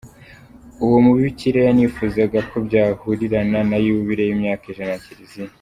Uwo mubikira yanifuzaga ko byahurirana na Yubile y’imyaka ijana ya Kiliziya.